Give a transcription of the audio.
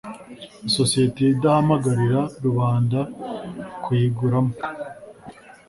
isosiyete idahamagarira rubanda kuyiguramo